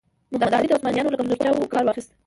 محمد علي د عثمانیانو له کمزورتیاوو کار واخیست.